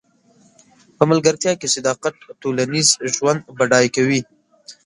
په ملګرتیا کې صداقت ټولنیز ژوند بډای کوي.